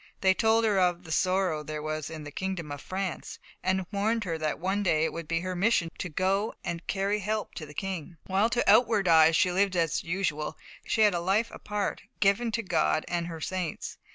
They told her of "the sorrow there was in the kingdom of France," and warned her that one day it would be her mission to go and carry help to the King. While to outward eyes she lived as usual, she had a life apart, given to God and her saints.